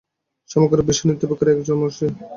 সমগ্র বিশ্ব নিত্যবিকারী এক জড়সমষ্টি।